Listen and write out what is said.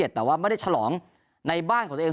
แต่ว่าไม่ได้ฉลองในบ้านของตัวเอง